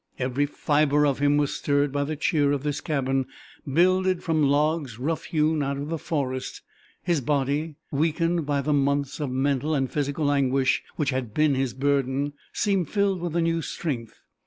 Every fibre of him was stirred by the cheer of this cabin builded from logs rough hewn out of the forest; his body, weakened by the months of mental and physical anguish which had been his burden, seemed filled with a new strength.